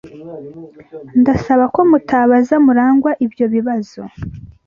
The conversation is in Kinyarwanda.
Ndasaba ko mutabaza Murangwa ibyo bibazo.